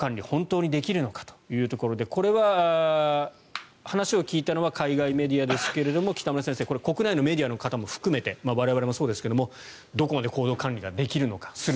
行動管理、本当にできるのかというところでこれは、話を聞いたのは海外メディアですが国内のメディアの方々も含めてどこまで行動管理ができるか。